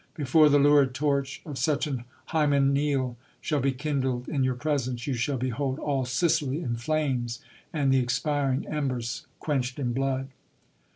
Before the lurid torch of such an hymeneal shall be kindled in your presence, you shall behold all Sicily in flames, and the expiring embers quenched in blood.